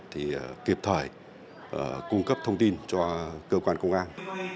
thì kịp thời cung cấp thông tin cho cơ quan công an